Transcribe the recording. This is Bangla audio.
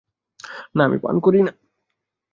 না আমি পান করি না।